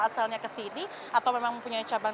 asalnya ke sini atau memang mempunyai cabang